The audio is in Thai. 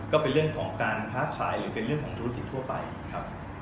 ก็เป็นเรื่องของการค้าขายหรือเป็นเรื่องของธุรกิจทั่วไปนะครับ